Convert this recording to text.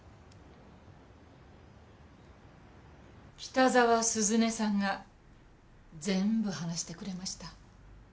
北澤涼音さんが全部話してくれました。